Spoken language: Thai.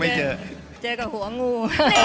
ไม่เจอเจอกับหัวงู